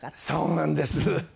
そうなんです。